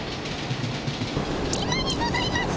今にございます！